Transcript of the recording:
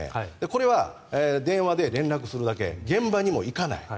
これは電話で連絡するだけ現場にも行かない。